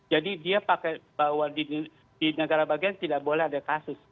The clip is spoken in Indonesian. jadi dia pakai bahwa di negara bagian tidak boleh ada kasus